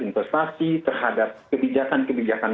investasi terhadap kebijakan kebijakan